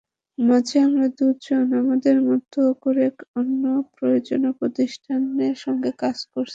মাঝে আমরা দুজন আমাদের মতো করে অন্য প্রযোজনা প্রতিষ্ঠানের সঙ্গে কাজ করেছি।